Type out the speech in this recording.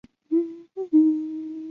患者会有天旋地转或是摇晃的感觉。